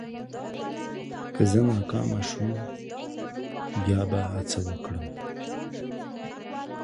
که زه ناکام شوم، بیا به هڅه وکړم.